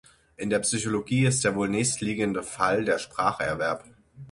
In der Psychologie ist der wohl nächstliegende Fall der Spracherwerb.